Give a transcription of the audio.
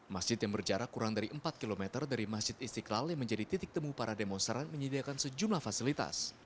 masjid yang berjarak kurang dari empat km dari masjid istiqlal yang menjadi titik temu para demonstran menyediakan sejumlah fasilitas